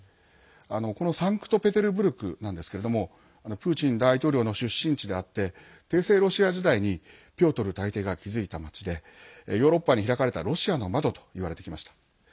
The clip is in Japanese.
このサンクトペテルブルクなんですけどプーチン大統領の出身地であって帝政ロシア時代にピョートル大帝が築いた町でヨーロッパに開かれたロシアの窓といわれてきました。